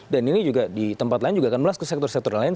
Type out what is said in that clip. dan ini juga di tempat lain juga akan meluas ke sektor sektor lain